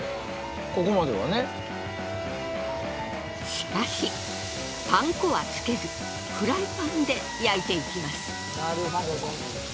しかしパン粉はつけずフライパンで焼いていきます。